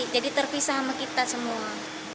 jadi terpisah sama kita semua